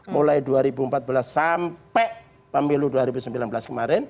mulai dua ribu empat belas sampai pemilu dua ribu sembilan belas kemarin